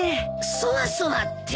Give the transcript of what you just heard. そわそわって？